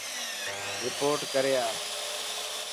رپورٽ ڪري آءِ.